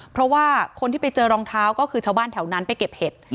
เพราะว่าคนที่ไปเจอรองเท้าก็คือชาวบ้านแถวนั้นไปเก็บเห็ด